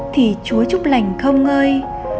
thì chúa chúc lành không ngơi